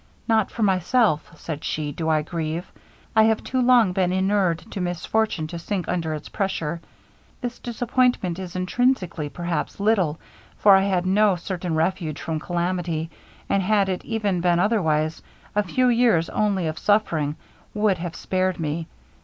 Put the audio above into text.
'Not for myself,' said she, 'do I grieve. I have too long been inured to misfortune to sink under its pressure. This disappointment is intrinsically, perhaps, little for I had no certain refuge from calamity and had it even been otherwise, a few years only of suffering would have been spared me.